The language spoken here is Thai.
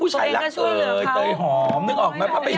พี่ยอวรักเอ้ยเตยหอมเรียกออกไหมป่ะพี่ยอว